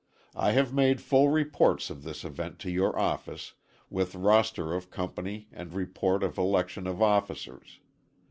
I have made full reports of this event to your office, with roster of company and report of election of officers.